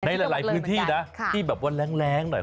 ในหลายพื้นที่นะที่แบบว่าแรงหน่อย